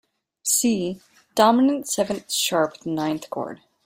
See: Dominant seventh sharp ninth chord.